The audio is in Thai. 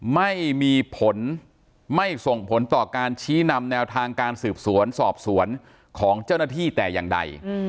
ไม่มีผลไม่ส่งผลต่อการชี้นำแนวทางการสืบสวนสอบสวนของเจ้าหน้าที่แต่อย่างใด